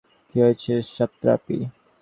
কী হয়েছে, সাতরাপি?